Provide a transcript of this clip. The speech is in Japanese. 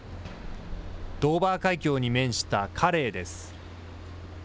ドーバー海峡に面したカレーです。